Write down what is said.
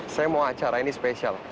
saya mau acara ini spesial